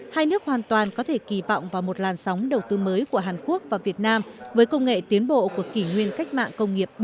hai nước hoàn toàn có thể kỳ vọng vào một làn sóng đầu tư mới của hàn quốc và việt nam với công nghệ tiến bộ của kỷ nguyên cách mạng công nghiệp bốn